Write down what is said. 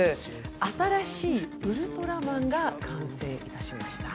新しい「ウルトラマン」が完成いたしました。